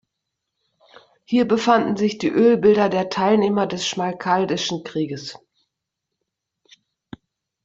Hier befanden sich die Ölbilder der Teilnehmer des Schmalkaldischen Krieges.